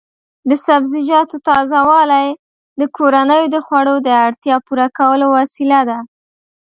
د سبزیجاتو تازه والي د کورنیو د خوړو د اړتیا پوره کولو وسیله ده.